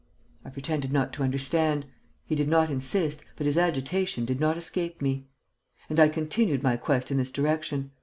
I pretended not to understand. He did not insist, but his agitation did not escape me; and I continued my quest in this direction.